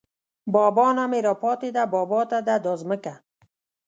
بابا نه مې راپاتې ده بابا ته ده دا ځمکه